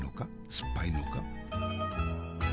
酸っぱいのか？